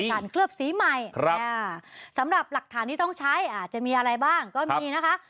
เคลือบสีใหม่สำหรับหลักฐานที่ต้องใช้อาจจะมีอะไรบ้างก็มีนะคะ